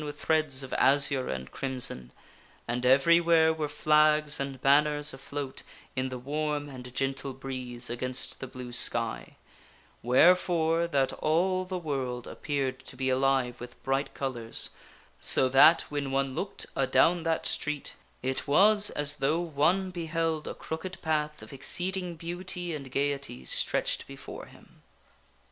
with threads of azure and crimson, and everywhere were flags and banners afloat in the warm and gentle breeze against the blue sky, wherefore that all the world appeared to be alive with bright colors, so i 4 o THE WINNING OF A QUEEN that when one looked adown that street, it was as though one beheld a crooked path of exceeding beauty and gayety stretched before him.